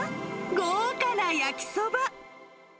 豪華な焼きそば。